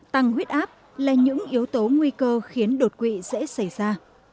tăng huyết áp là những yếu tố nguy cơ khiến đột quỵ dễ xảy ra